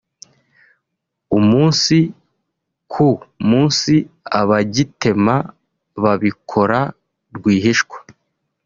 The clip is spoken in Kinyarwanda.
umunsi ku munsi abagitema babikora rwihishwa